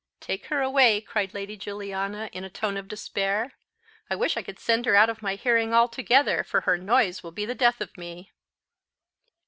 "Take her away," cried Lady Juliana in a tone of despair; "I wish I could send her out of my hearing altogether, for her noise will be the death of me."